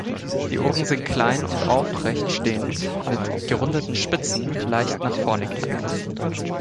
Die Ohren sind klein und aufrecht stehend mit gerundeten Spitzen, leicht nach vorn geneigt.